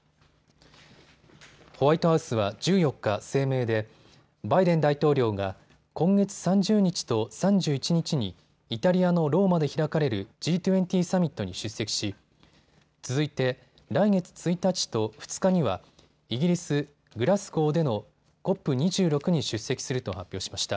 ホワイトハウスは１４日、声明でバイデン大統領が今月３０日と３１日にイタリアのローマで開かれるＧ２０サミットに出席し、続いて来月１日と２日にはイギリス・グラスゴーでのＣＯＰ２６に出席すると発表しました。